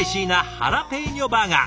ハラペーニョバーガー